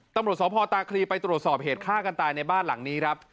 ตำรวจสพตาคลีไปตรวจสอบเหตุฆ่ากันตายในบ้านหลังนี้ครับ